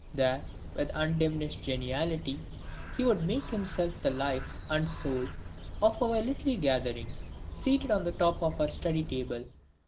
There, with undiminished geniality he would make himself the life and soul of our little gathering, seated on the top of our study table.